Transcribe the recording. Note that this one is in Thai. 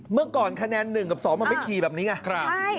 เมื่อก่อนคะแนน๑กับ๒มันไม่ขี่แบบนี้ไง